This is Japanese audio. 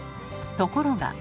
ところが。